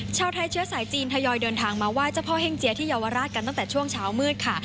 ชาวไทยเชื้อสายจีนทยอยเดินทางมาไหว้เจ้าพ่อเฮ่งเจียที่เยาวราชกันตั้งแต่ช่วงเช้ามืดค่ะ